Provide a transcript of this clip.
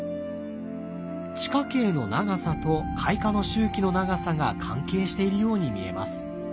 地下茎の長さと開花の周期の長さが関係しているように見えます。